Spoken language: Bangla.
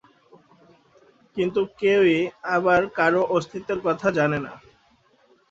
কিন্তু কেউই আবার কারও অস্তিত্বের কথা জানে না।